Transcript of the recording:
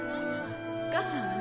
お母さんはね。